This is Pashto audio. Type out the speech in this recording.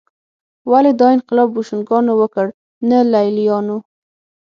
ولې دا انقلاب بوشونګانو وکړ نه لېلیانو